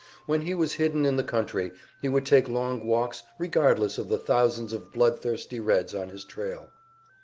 When he was hidden in the country he would take long walks regardless of the thousands of blood thirsty Reds on his trail.